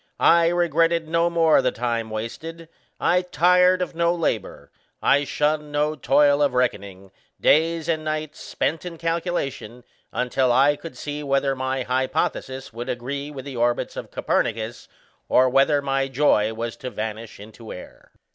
I regretted no more the time wasted; I tired of no labour; I shunned no toil of reckoning, days and nights spent in calculation, until I could see whether my hypothesis would agree with the orbits of Copernicus, or whether my joy was to vanish into air."